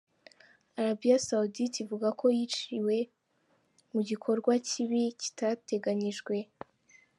Arabie Saoudite ivuga ko yiciwe mu "gikorwa kibi kitateganyijwe".